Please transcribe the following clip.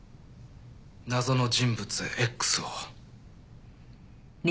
謎の人物Ｘを。